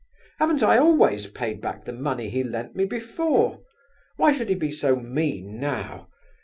Haven't I always paid back the money he lent me before? Why should he be so mean now?